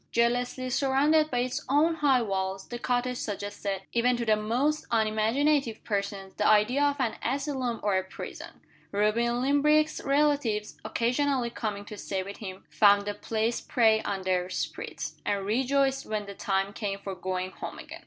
Jealously surrounded by its own high walls, the cottage suggested, even to the most unimaginative persons, the idea of an asylum or a prison. Reuben Limbrick's relatives, occasionally coming to stay with him, found the place prey on their spirits, and rejoiced when the time came for going home again.